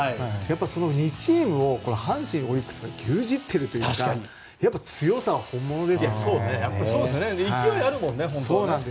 その２チームを阪神、オリックスが牛耳ってるというか勢いあるもんね。